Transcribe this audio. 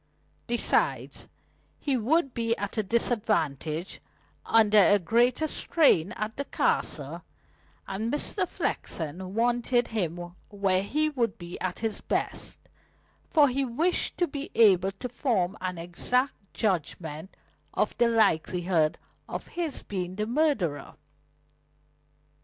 Besides, he would be at a disadvantage, under a greater strain at the Castle, and Mr. Flexen wanted him where he would be at his best, for he wished to be able to form an exact judgment of the likelihood of his being the murderer.